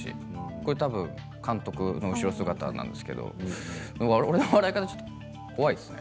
これはたぶん監督の後ろ姿なんですけど俺の笑い方、怖いですね。